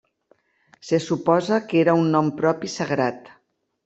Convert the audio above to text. Se suposa que era un nom propi sagrat.